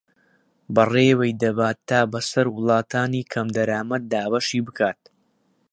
بەڕێوەی دەبات تا بەسەر وڵاتانی کەمدەرامەت دابەشی بکات